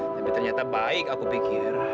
tapi ternyata baik aku pikir